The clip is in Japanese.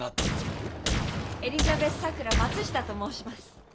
エリザベス・さくら・松下と申します。